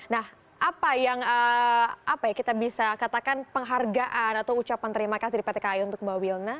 nah apa yang kita bisa katakan penghargaan atau ucapan terima kasih di pt kai untuk mbak wilna